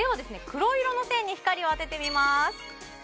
黒色の線に光を当ててみます